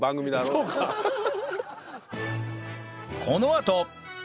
このあと